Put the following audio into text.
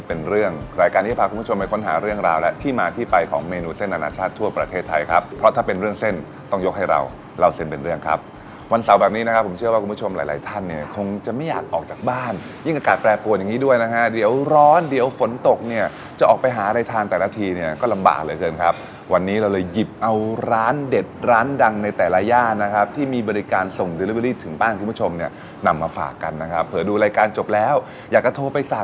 เป็นเรื่องรายการที่พาคุณผู้ชมไปค้นหาเรื่องราวและที่มาที่ไปของเมนูเส้นอนาชาติทั่วประเทศไทยครับเพราะถ้าเป็นเรื่องเส้นต้องยกให้เราเราเซ็นเป็นเรื่องครับวันเสาร์แบบนี้นะครับผมเชื่อว่าคุณผู้ชมหลายท่านเนี่ยคงจะไม่อยากออกจากบ้านยิ่งอากาศแปรปวดอย่างนี้ด้วยนะฮะเดี๋ยวร้อนเดี๋ยวฝนตกเนี่ยจะออกไปหาอะไรท